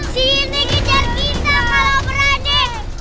sini kejar kita kalau berani